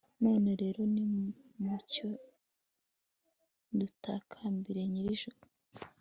none rero, nimucyo dutakambire nyir'ijuru